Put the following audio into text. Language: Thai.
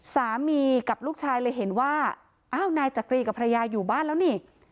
สามีกับลูกชายเลยเห็นว่าอ้าวนายจักรีกับภรรยาอยู่บ้านแล้วนี่